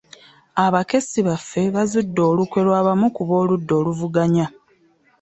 “Abakessi baffe bazudde olukwe lw'abamu ku b'oludda oluvuganya"